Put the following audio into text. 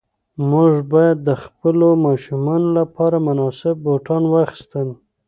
موږ باید د خپلو ماشومانو لپاره مناسب بوټان واخیستل.